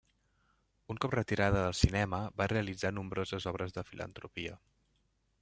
Un cop retirada del cinema va realitzar nombroses obres de filantropia.